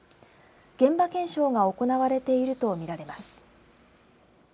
現場検証が行われているとみられます。